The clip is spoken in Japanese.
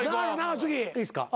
いいっすか？